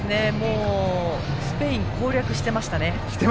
スペイン攻略していました。